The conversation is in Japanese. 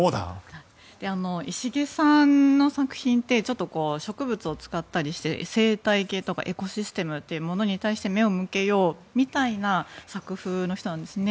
石毛さんの作品ってちょっと植物を使ったりして生態系とかエコシステムというものに対して目を向けようみたいな作風の人なんですね。